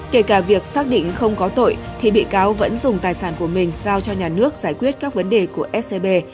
kể cả việc xác định không có tội thì bị cáo vẫn dùng tài sản của mình giao cho nhà nước giải quyết các vấn đề của scb